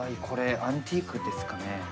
これアンティークですかね。